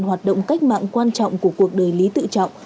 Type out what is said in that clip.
hoạt động cách mạng quan trọng của cuộc đời lý tự trọng